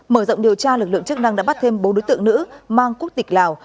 mở rộng điều tra lực lượng chức năng đã bắt thêm bốn đối tượng nữ mang quốc tịch lào